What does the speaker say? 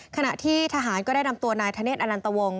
ขณะที่ทหารก็ได้นำตัวนายธเนธอลันตวงศ